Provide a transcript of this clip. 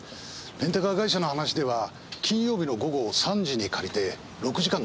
レンタカー会社の話では金曜日の午後３時に借りて６時間の契約だったようです。